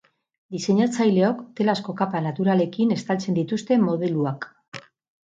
Diseinatzaileok telazko kapa naturalekin estaltzen dituzte modeluak.